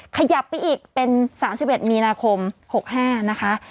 ขยับไปอีกเป็น๓๑มีนาคม๖๕นะคะ